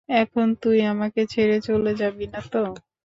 এখন তুই আমাকে ছেড়ে চলে যাবি না তো?